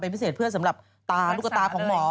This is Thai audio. พิเศษเพื่อสำหรับตาลูกตาของหมอ